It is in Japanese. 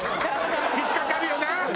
引っかかるよな。